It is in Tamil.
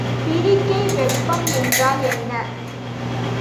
பிரிகை வெப்பம் என்றால் என்ன?